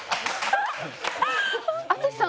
淳さん